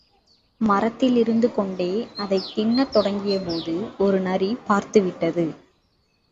மரத்தில் இருந்துகொண்டே அதைத் தின்னத் தொடங்கியபோது ஒரு நரி பார்த்துவிட்டது.